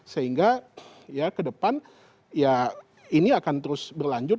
sehingga ya ke depan ya ini akan terus berlanjut